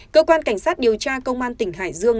cơ quan cảnh sát điều tra công an tỉnh hải dương